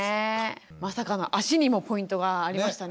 まさかの「足」にもポイントがありましたね。